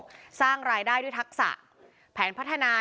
คุณวราวุฒิศิลปะอาชาหัวหน้าภักดิ์ชาติไทยพัฒนา